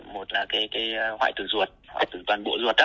một là cái hoại tử ruột hoại tử toàn bộ ruột á